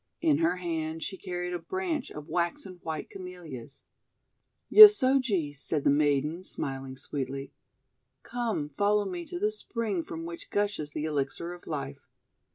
In her hand she carried a branch of waxen white Camellias. "Yosoji," said the maiden, smiling sweetly. "Come, follow me to the spring from which gushes the Elixir of Life."